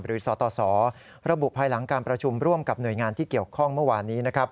สตสระบุภายหลังการประชุมร่วมกับหน่วยงานที่เกี่ยวข้องเมื่อวานนี้นะครับ